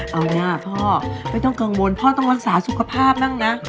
เอานะพ่อไม่ต้องกังวลพ่อต้องรักษาสุขภาพบ้างนะ